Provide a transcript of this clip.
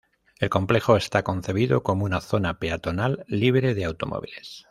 El complejo está concebido como una zona peatonal libre de automóviles.